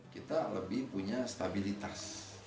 kita lebih punya stabilitas